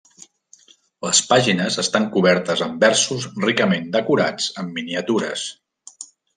Les pàgines estan cobertes amb versos ricament decorats amb miniatures.